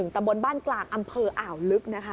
ตำบลบ้านกลางอำเภออ่าวลึกนะคะ